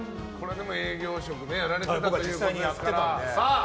でも営業職をやられてたということですから。